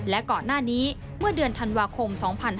และก่อนหน้านี้เมื่อเดือนธันวาคม๒๕๕๙